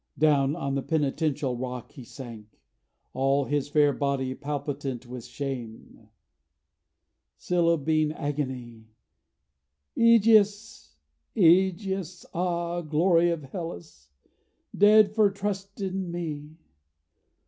Down on the penitential rock he sank, All his fair body palpitant with shame, Syllabing agony: 'Ægeus, Ægeus! ah, Glory of Hellas! dead for trust in me.